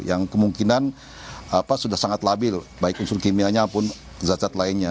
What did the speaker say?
yang kemungkinan sudah sangat labil baik unsur kimianya apun zazat lainnya